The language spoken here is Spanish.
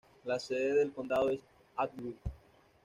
La sede del condado es Atwood.